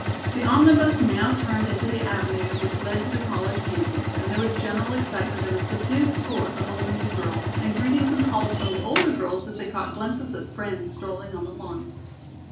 The omnibus now turned into the avenue which led to the college campus and there was general excitement of a subdued sort among the new girls and greetings and calls from the older girls as they caught glimpses of friends strolling on the lawn.